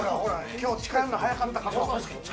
今日近づくの早かったかも。